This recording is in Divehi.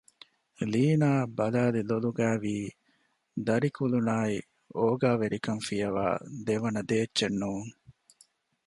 ލީނާއަށް ބަލައިލި ލޮލުގައިވީ ދަރިކުލުނާއި އޯގާވެރިކަން ފިޔަވައި ދެވަނަ ދޭއްޗެއް ނޫން